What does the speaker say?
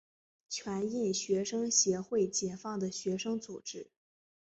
全印学生协会解放的学生组织。